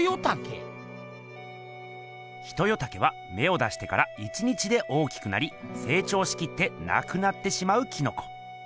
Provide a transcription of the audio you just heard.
ヒトヨタケはめを出してから１日で大きくなりせい長しきってなくなってしまうキノコ。